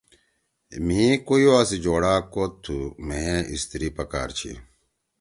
مھی کویوا سی جوڑا کوت تُھو۔ مھئے اِستری پکار چھی۔